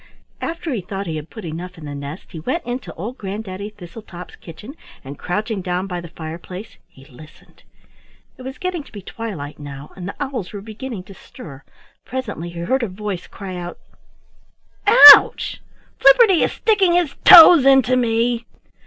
After he thought he had put enough in the nest, he went into old Granddaddy Thistletop's kitchen, and, crouching down by the fireplace, he listened. It was getting to be twilight now, and the owls were beginning to stir. Presently he heard a voice cry out: "Ouch! Flipperty is sticking his toes into me."